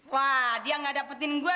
wah dia nggak dapetin gue